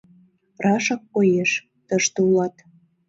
— Рашак коеш: тыште улат.